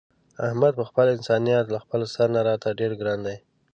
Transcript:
احمد په خپل انسانیت له خپل سر نه راته ډېر ګران دی.